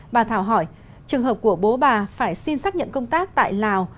bà thảo hỏi trường hợp của bố bà phải xin xác nhận công tác tại lào